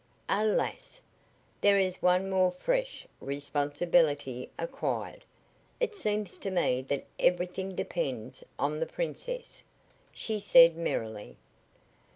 "Alas! There is one more fresh responsibility acquired. It seems to me that everything depends on the princess," she said, merrily.